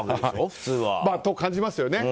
普通は。と、感じますよね。